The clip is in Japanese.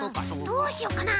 どうしようかな？